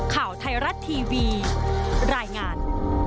ข่าวไทยรัฐทีวีรายงาน